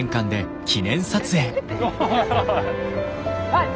はい！